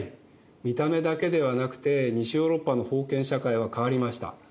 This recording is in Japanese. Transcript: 見た目だけではなくて西ヨーロッパの封建社会は変わりました。